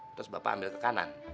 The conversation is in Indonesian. terus bapak ambil ke kanan